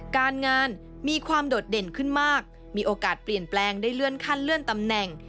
การงานมีความโดดเด่นขึ้นมากมีโอกาสเปลี่ยนแปลงได้เลื่อนขั้นเลื่อนตำแหน่ง